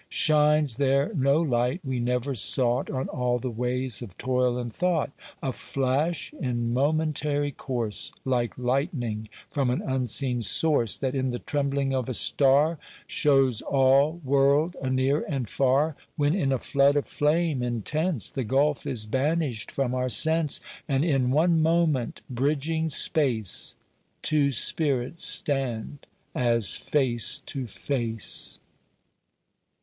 Shines there no light we never sought On all the ways of toil and thought— A flash in momentary course, Like lightning from an unseen source That, in the trembling of a star, Shows all world anear and far, When in a flood of flame intense The gulf is banished from our sense, And in one moment, bridging space, Two spirits stand as face to face.